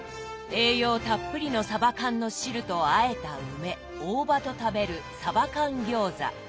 栄養たっぷりのさば缶の汁とあえた梅大葉と食べるさば缶餃子。